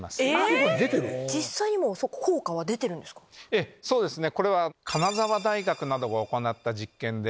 ええそうですね。